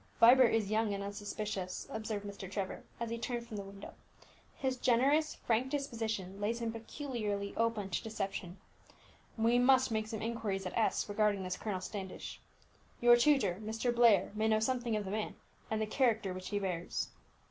"Vibert is young and unsuspicious," observed Mr. Trevor, as he turned from the window; "his generous, frank disposition lays him peculiarly open to deception. We must make some inquiries at S regarding this Colonel Standish. Your tutor, Mr. Blair, may know something of the man, and the character which he bears."